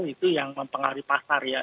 itu yang mempengaruhi pasar ya